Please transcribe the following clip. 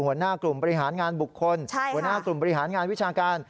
หัวหน้ากลุ่มบริหารงานบุคคลหัวหน้ากลุ่มบริหารงานวิชาการ